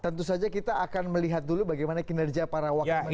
tentu saja kita akan melihat dulu bagaimana kinerja para wakil menteri